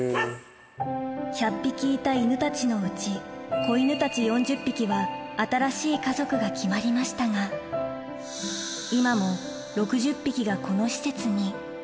１００匹いた犬たちのうち、小犬たち４０匹は新しい家族が決まりましたが、今も６０匹がこの施設に。